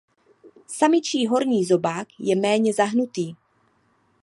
Samičí horní zobák je méně zahnutý.